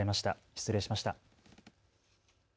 失礼しました。